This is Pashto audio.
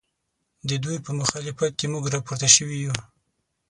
ددوی په مخالفت کې موږ راپورته شوي یو